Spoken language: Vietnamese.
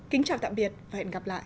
kính chào tạm biệt và hẹn gặp lại